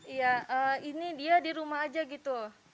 iya ini dia di rumah aja gitu